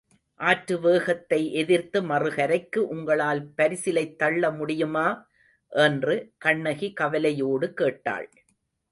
ஆற்றுவேகத்தை எதிர்த்து மறுகரைக்கு உங்களால் பரிசலைத் தள்ள முடியுமா? என்று கண்ணகி கவலையோடு கேட்டாள்.